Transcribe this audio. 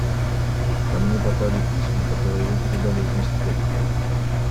Ко мне попали письма, которые Вы передали в местком.